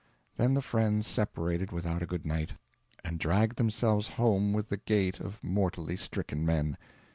Then the friends separated without a good night, and dragged themselves home with the gait of mortally stricken men.